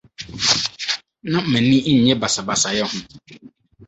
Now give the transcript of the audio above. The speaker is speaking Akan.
Ná m'ani nnye basabasayɛ ho.